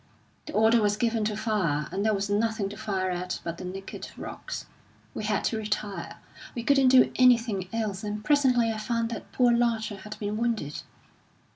The order was given to fire, and there was nothing to fire at but the naked rocks. We had to retire we couldn't do anything else; and presently I found that poor Larcher had been wounded.